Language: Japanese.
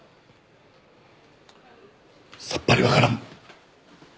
さっぱりわからん。